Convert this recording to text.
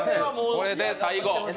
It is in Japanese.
これで最後。